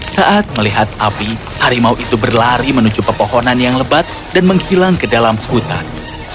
saat melihat api harimau itu berlari menuju pepohonan yang lebat dan menghilang ke dalam hutan